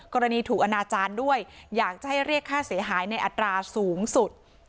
กรณีถูกอนาจารย์ด้วยอยากจะให้เรียกค่าเสียหายในอัตราสูงสุด